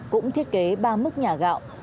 cũng thiết kế ba mức nhả gạo